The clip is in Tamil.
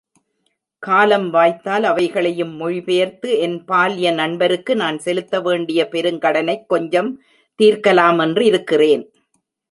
காலம் வாய்த்தால் அவைகளையும் மொழிபெயர்த்து என் பால்ய நண்பருக்கு நான் செலுத்த வேண்டிய பெருங்கடனைக் கொஞ்சம் தீர்க்கலாமென்றிருக்கிறேன்.